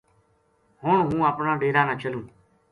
ہُن ہوں اپنا ڈیرا نا چلوں